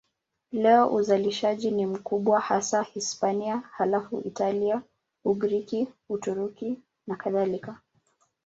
Leo uzalishaji ni mkubwa hasa Hispania, halafu Italia, Ugiriki, Uturuki nakadhalika.